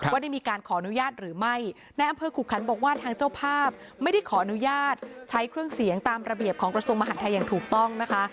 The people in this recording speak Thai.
ว่าได้มีการขออนุญาตหรือไม่ในอำเภอขุขันบอกว่าทางเจ้าภาพไม่ได้ขออนุญาตใช้เครื่องเสียงตามระเบียบของกระทรวงมหาดไทยอย่างถูกต้องนะคะ